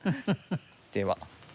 では。